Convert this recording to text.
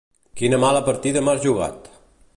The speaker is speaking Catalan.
Quina mala partida m'has jugat!